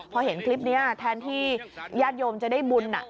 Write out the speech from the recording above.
พอเห็นคลิปนี้แทนที่ญาติโยมจะได้บุญ